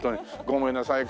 ごめんなさい。